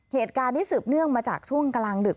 เหตุการณ์นี้สืบเนื่องมาจากช่วงกลางดึก